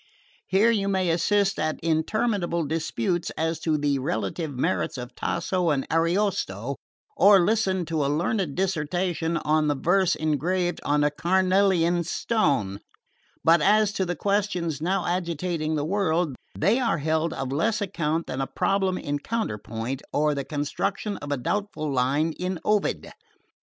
Here you may assist at interminable disputes as to the relative merits of Tasso and Ariosto, or listen to a learned dissertation on the verse engraved on a carnelian stone; but as to the questions now agitating the world, they are held of less account than a problem in counterpoint or the construction of a doubtful line in Ovid.